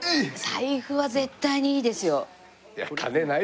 財布は絶対にいいですよ。